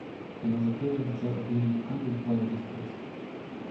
Она закрыла лицо обеими руками и упала без чувств.